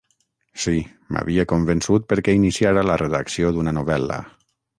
Sí, m'havia convençut perquè iniciara la redacció d'una novel·la.